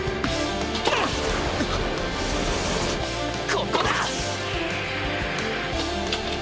ここだっ！